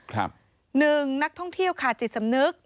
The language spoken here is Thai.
หนึ่งนักท่องเที่ยวขาดจิตสำนึก